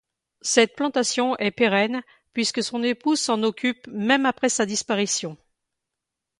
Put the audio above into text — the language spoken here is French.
Cette plantation est pérenne puisque son épouse s'en occupe même après sa disparition.